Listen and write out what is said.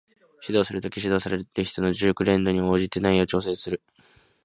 指導する時、指導される人の熟練度に応じて内容を調整する